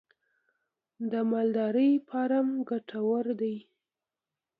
د مالدارۍ فارم ګټور دی؟